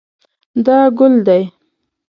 دا ګل دی